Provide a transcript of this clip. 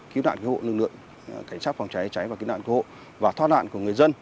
cứu nạn cứu hộ lực lượng cảnh sát phòng cháy cháy và cứu nạn cứu hộ và thoát nạn của người dân